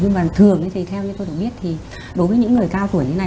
nhưng mà thường thì theo như tôi được biết thì đối với những người cao tuổi như này